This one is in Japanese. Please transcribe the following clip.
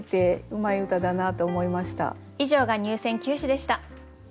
以上が入選九首でした。